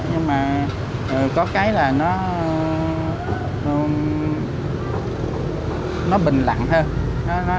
nhưng mà có cái là nó bình lặng hơn